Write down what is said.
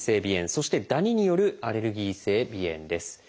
そしてダニによるアレルギー性鼻炎です。